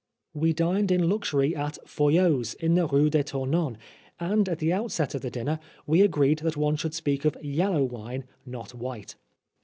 We dined in luxury at Foyot's in the Rue de Tournon, and at the outset of the dinner we agreed that one should speak of yellow wine, not white.